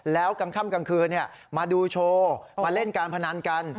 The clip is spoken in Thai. แล้วกลางค่ำกลางคืนมาดูโชว์มาเล่นการพนันกัน